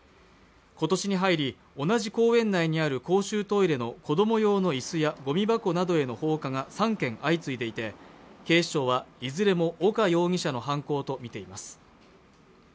今年に入り同じ公園内にある公衆トイレの子供用の椅子やゴミ箱などへの放火が３件相次いでいて警視庁はいずれも岡容疑者の犯行とみています